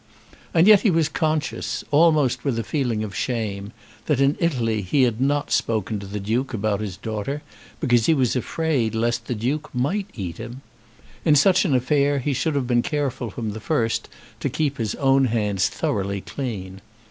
And yet he was conscious, almost with a feeling of shame, that in Italy he had not spoken to the Duke about his daughter because he was afraid lest the Duke might eat him. In such an affair he should have been careful from the first to keep his own hands thoroughly clean.